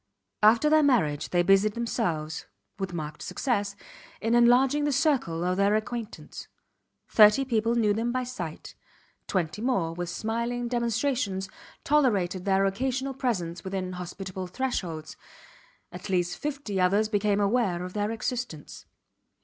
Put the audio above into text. After their marriage they busied themselves, with marked success, in enlarging the circle of their acquaintance. Thirty people knew them by sight; twenty more with smiling demonstrations tolerated their occasional presence within hospitable thresholds; at least fifty others became aware of their existence.